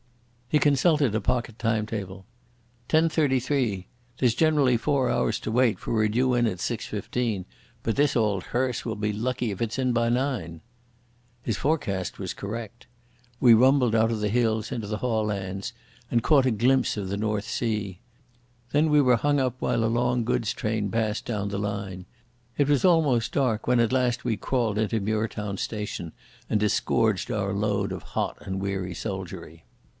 He consulted a pocket timetable. "Ten thirty three. There's generally four hours to wait, for we're due in at six fifteen. But this auld hearse will be lucky if it's in by nine." His forecast was correct. We rumbled out of the hills into haughlands and caught a glimpse of the North Sea. Then we were hung up while a long goods train passed down the line. It was almost dark when at last we crawled into Muirtown station and disgorged our load of hot and weary soldiery.